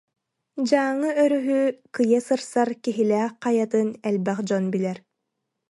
Дьааҥы өрүһү кыйа сырсар Киһилээх хайатын элбэх дьон билэр